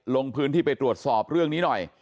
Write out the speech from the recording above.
ลงพื้นที่ไปตรวจสอบเรื่องนี้หน่อย